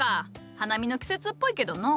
花見の季節っぽいけどのう。